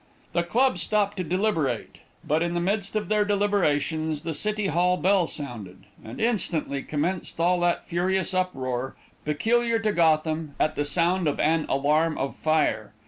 The club stopped to deliberate, but in the midst of their deliberations the City Hall bell sounded, and instantly commenced all that furious uproar peculiar to Gotham at the sound of an alarm of fire.